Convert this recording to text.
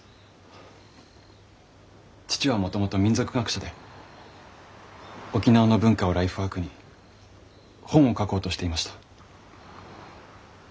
父はもともと民俗学者で沖縄の文化をライフワークに本を書こうとしていました。